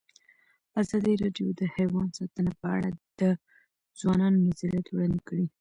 ازادي راډیو د حیوان ساتنه په اړه د ځوانانو نظریات وړاندې کړي.